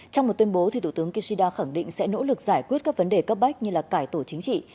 trong một tuyên bố thủ tướng kishida khẳng định sẽ nỗ lực giải quyết các vấn đề cấp bách như cải tổ chính trị